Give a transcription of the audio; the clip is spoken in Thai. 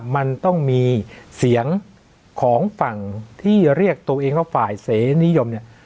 มันต้องมีเสียงของฝั่งที่เรียกตัวเองว่าฝ่ายเสนิยมเนี่ย